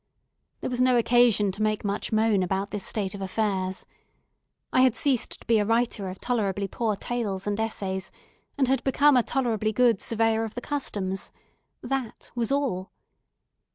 There was no occasion to make much moan about this state of affairs. I had ceased to be a writer of tolerably poor tales and essays, and had become a tolerably good Surveyor of the Customs. That was all.